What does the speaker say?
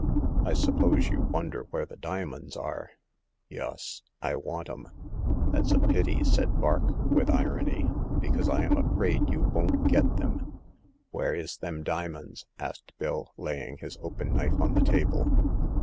" I suppose you wonder where the diamonds are ?" •*Yus. I want 'em!" " That's a pity," said Vark, with irony — "be cause I am afraid you won't get them." " Where is them dimins ?" asked Bill, laying his open knife on the table.